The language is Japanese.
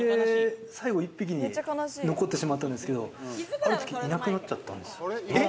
最後１匹に残ってしまったんですけど、ある時いなくなっちゃったんですよ。